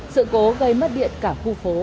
sự cố gây mất điện cả khu phố